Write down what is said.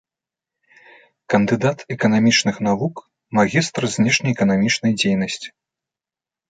Кандыдат эканамічных навук, магістр знешнеэканамічнай дзейнасці.